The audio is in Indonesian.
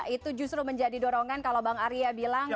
itu justru menjadi dorongan kalau bang arya bilang